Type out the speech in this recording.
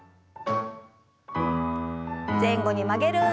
前後に曲げる運動です。